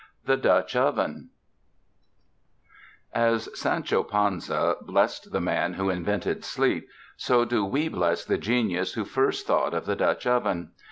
The Dutch Oven As Sancho Panza blessed the man who invented sleep, so do we bless the genius who first thought of the Dutch oven.